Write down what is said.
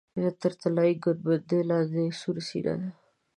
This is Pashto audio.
تر طلایي ګنبدې لاندې یې سورۍ سینه ده.